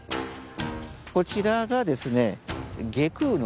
こちらがですね。